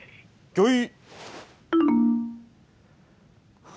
御意！